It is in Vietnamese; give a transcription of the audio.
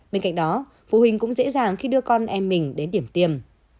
bên cạnh đó phụ huynh cũng dễ dàng khi đưa con em mình đến điểm tiêm